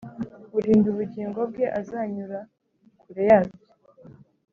urinda ubugingo bwe azanyura kure yabyo